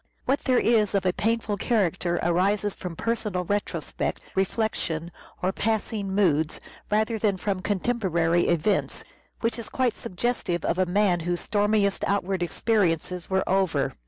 What there is of a painful character arises from personal POETIC SELF REVELATION 451 retrospect, reflection, or passing moods, rather than from contemporary events ; which is quite suggestive of a man whose stormiest outward experiences were over.